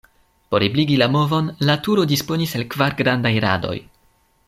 Por ebligi la movon, la turo disponis el kvar grandaj radoj.